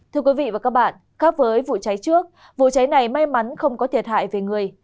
thưa quý vị và các bạn khác với vụ cháy trước vụ cháy này may mắn không có thiệt hại về người